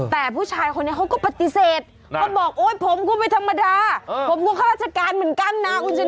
แต่ผู้ชายคนนี้เขาก็ปฏิเสธเขาบอกโอ๊ยผมก็ไม่ธรรมดาผมก็ข้าราชการเหมือนกันนะคุณชนะ